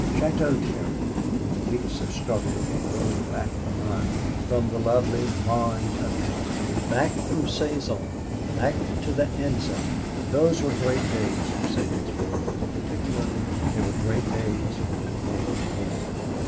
Château Thierry and the weeks of struggle that drove back the Hun from the lovely Marne country, back through Soissons, back to the Aisne those were great days for Sabinsport; and particularly they were great days for the War Board.